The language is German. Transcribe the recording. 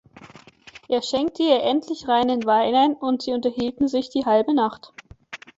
Er schenkte ihr endlich reinen Wein ein und sie unterhielten sich die halbe Nacht.